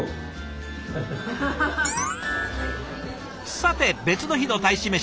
さて別の日の大使メシは？